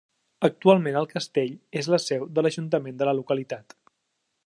Actualment el castell és la seu de l'ajuntament de la localitat.